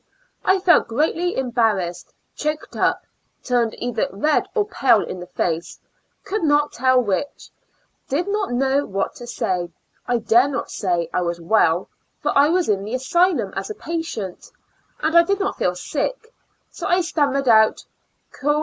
'^ I felt greatly embarrassed, choked up, turned either red or pale in the face, could not tell which, did not know what to say — I dare not say I was well, for I was in the asylum as a patient, and I did not feel sick, so I stammered out —" Ool.